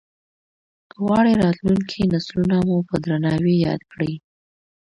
که غواړې راتلونکي نسلونه مو په درناوي ياد کړي.